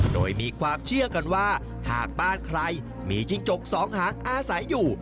โดยมีความเชื่อกันว่าหากบ้านใครมีจิ้งจกสองหางอาศัยอยู่